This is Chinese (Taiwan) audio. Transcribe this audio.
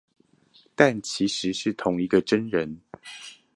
但其實是同一個真人